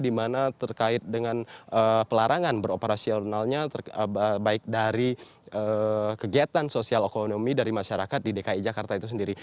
di mana terkait dengan pelarangan beroperasionalnya baik dari kegiatan sosial ekonomi dari masyarakat di dki jakarta itu sendiri